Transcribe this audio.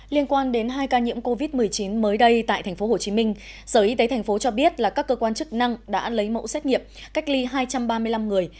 liên quan đến hai ca nhiễm covid một mươi chín mới đây tại tp hcm sở y tế tp cho biết là các cơ quan chức năng đã lấy mẫu xét nghiệm cách ly hai trăm ba mươi năm người